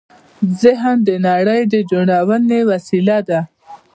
ذهن د نړۍ د جوړونې وسیله ده.